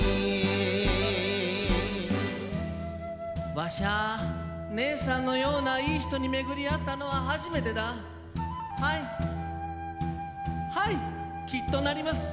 わしゃア姐さんのようないい人に、めぐり逢ったのは初めてだ、はい、はい、きっと成ります。